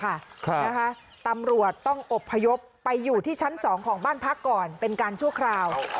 ครับนะคะตำรวจต้องอบพยพไปอยู่ที่ชั้นสองของบ้านพักก่อนเป็นการชั่วคราว